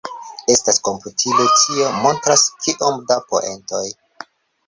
Estas komputilo tie montras kiom da poentoj.